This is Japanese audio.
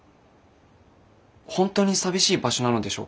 本当に寂しい場所なのでしょうか？